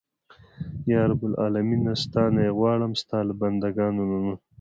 یا رب العالمینه ستا نه یې غواړم ستا له بنده ګانو نه.